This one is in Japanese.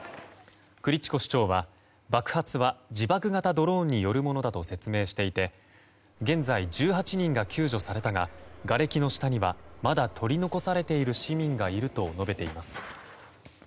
クリチコ市長は爆発は自爆型ドローンによるものだと説明していて現在、１８人が救助されたががれきの下にはまだ取り残されている市民がいると述べています。